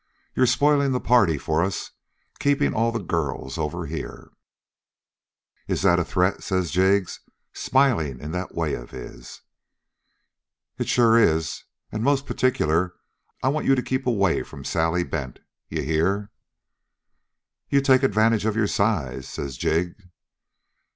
You're spoiling the party for us, keeping all the girls over here.' "'Is that a threat?' says Jig, smiling in that way of his. "'It sure is. And most particular I want you to keep away from Sally Bent. You hear?' "'You take advantage of your size,' says Jig.